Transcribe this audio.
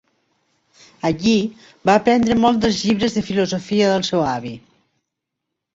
Allí va aprendre molt dels llibres de filosofia del seu avi.